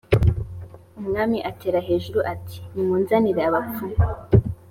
umwami atera hejuru ati nimunzanire abapfumu